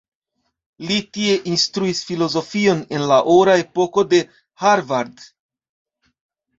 Li tie instruis filozofion en la ora epoko de Harvard.